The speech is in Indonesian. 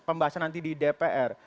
pembahasan nanti di dpr